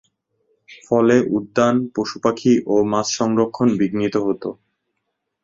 ফলে উদ্যান, পশু-পাখি ও মাছ সংরক্ষণ বিঘ্নিত হতো।